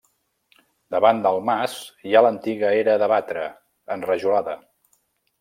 Davant del mas hi ha l'antiga era de batre, enrajolada.